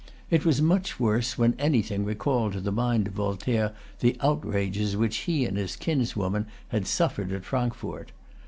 It was much worse when anything recalled to the mind of Voltaire the outrages which he and his kinswoman had suffered at Frankfort.